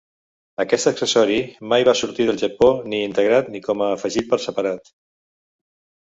Aquest accessori mai va sortir del Japó, ni integrat ni com a afegit per separat.